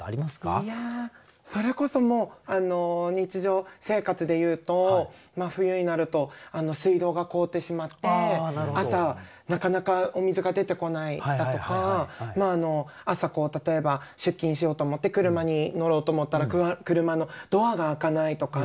いやそれこそもう日常生活でいうと冬になると水道が凍ってしまって朝なかなかお水が出てこないだとか朝例えば出勤しようと思って車に乗ろうと思ったら車のドアが開かないとか。